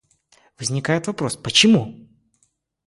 Возникает вопрос, почему?